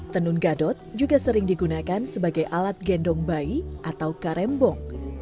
tenun gadot juga sering digunakan sebagai alat gendong bayi atau karembong